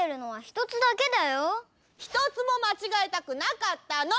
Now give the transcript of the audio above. ひとつもまちがえたくなかったの！